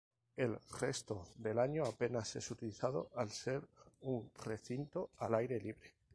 El resto del año apenas es utilizado al ser un recinto al aire libre.